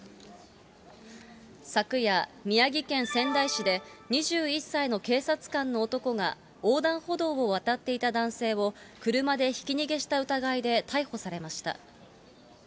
昨夜、宮城県仙台市で２１歳の警察官の男が、横断歩道を渡っていた男性を車でひき逃げした疑いで逮捕されました。